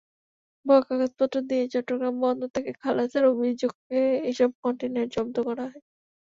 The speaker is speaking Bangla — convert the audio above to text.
ভুয়া কাগজপত্র দিয়ে চট্টগ্রাম বন্দর থেকে খালাসের অভিযোগে এসব কনটেইনার জব্দ করা হয়।